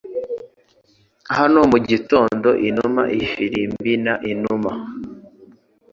Hano mugitondo inuma ifirimbi na inuma.